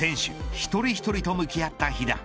一人一人と向き合った飛田。